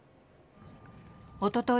おととい